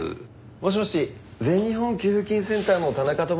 もしもし全日本給付金センターの田中と申しますが。